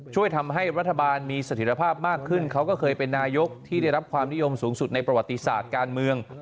ช่วยทำให้รัฐบาลมีสถิตภาพมากขึ้นเขาก็เคยเป็นนายกที่ได้รับความนิยมสูงสุดในประวัติศาสตร์การเมือง